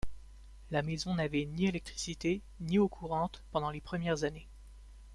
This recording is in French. La maison n'avait ni électricité ni eau courante pendant les premières années.